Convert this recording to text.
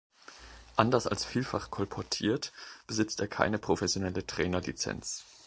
Anders als vielfach kolportiert, besitzt er keine professionelle Trainerlizenz.